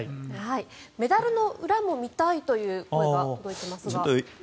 メダルの裏も見たいという声が届いてますが。